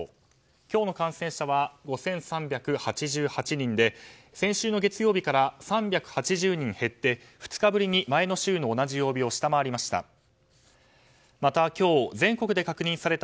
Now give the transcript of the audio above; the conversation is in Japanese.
今日の感染者は５３８８人で先週の月曜日から３８０人減って２日ぶりに前の週の同じ曜日を下回りました。